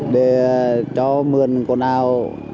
để cho mượn của nào